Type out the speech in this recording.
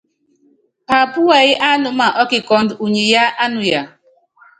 Paapú wɛyí ánúma ɔ́kikɔ́ndɔ, unyi yá ánuya.